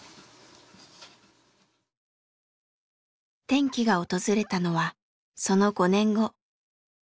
転機が訪れたのはその５年後。